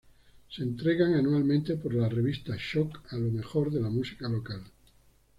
Se entregan anualmente por la revista "Shock" a lo mejor de la música local.